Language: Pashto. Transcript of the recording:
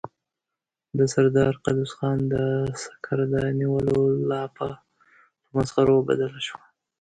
د سردار قدوس خان د سکر د نيولو لاپه په مسخرو بدله شوه.